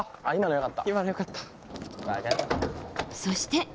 そして。